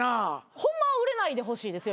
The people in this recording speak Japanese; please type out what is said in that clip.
ホンマは売れないでほしいですよ